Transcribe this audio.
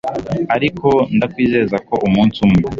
ariko ndakwizeza ko umunsi mwe